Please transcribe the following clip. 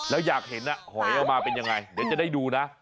แล้วอยากเห็นหอยออกมาเป็นยังไงเดี๋ยวจะได้ดูนะ